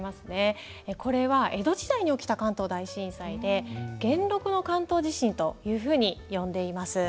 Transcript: これは江戸時代に起きた関東大震災で元禄の関東地震というふうに呼んでいます。